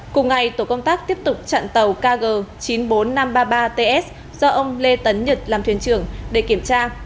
cùng ngày tổ công tác tiếp tục chặn tàu kg chín mươi bốn nghìn năm trăm ba mươi ba ts do ông lê tấn nhật làm thuyền trưởng để kiểm tra